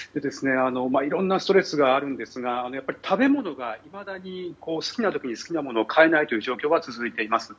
いろんなストレスがありますがやはり食べ物がいまだに好きな時に好きなものを買えないという状況は続いています。